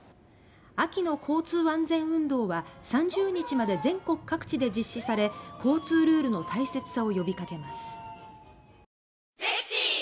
秋の交通安全運動は３０日まで全国各地で実施され交通ルールの大切さを呼びかけます。